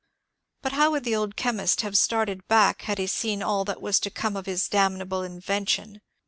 But how would the old chem ist have started back had he seen all that was to come of his damnable invention